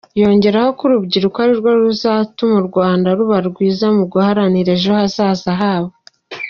Yongeraho ko urubyiruko ariwo ruzatuma u Rwanda ruba rwiza mu guharanira ejo hazaza habo.